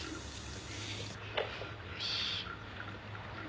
「よし」